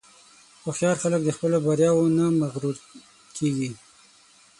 هوښیار خلک د خپلو بریاوو نه مغرور نه کېږي.